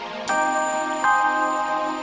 yaudah nining harus mau ya nining